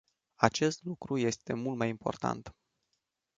Acest lucru este mult mai important.